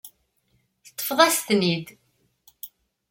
Teṭṭfeḍ-as-ten-id.